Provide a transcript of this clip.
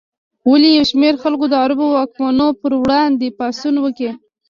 ولې یو شمېر خلکو د عربو واکمنانو پر وړاندې پاڅون وکړ؟